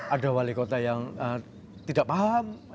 ada wali kota yang tidak paham